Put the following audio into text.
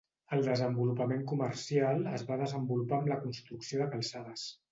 El desenvolupament comercial es va desenvolupar amb la construcció de calçades.